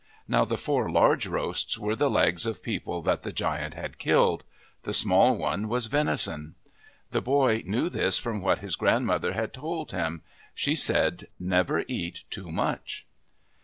Now, the four large roasts were the legs of people that the giant had killed. The small roast was veni son. The boy knew this from what his grandmother had told him. She said, "Never eat too much."